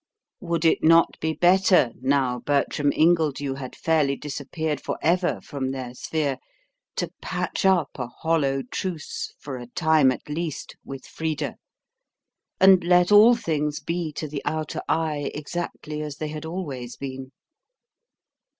Would it not be better, now Bertram Ingledew had fairly disappeared for ever from their sphere, to patch up a hollow truce for a time at least with Frida, and let all things be to the outer eye exactly as they had always been?